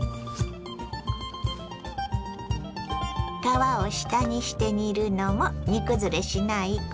皮を下にして煮るのも煮崩れしないコツ。